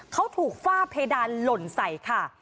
เขาถูกฝ้าเพดานหล่นใส่ค่ะ